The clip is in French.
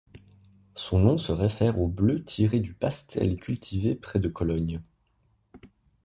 Son nom se réfère au bleu tiré du pastel cultivé près de Cologne.